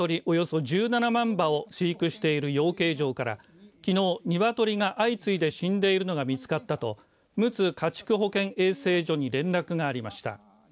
およそ１７万羽を飼育している養鶏場からきのう、ニワトリが相次いで死んでいるのが見つかったとむつ家畜保健衛生所に連絡がありました。